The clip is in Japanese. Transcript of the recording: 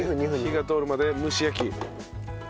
火が通るまで蒸し焼き。